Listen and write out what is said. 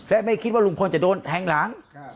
และไม่คิดว่าลุงพลจะโดนแทงหลัง